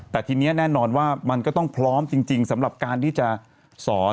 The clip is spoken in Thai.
แต่ทีนี้แน่นอนว่ามันก็ต้องพร้อมจริงสำหรับการที่จะสอน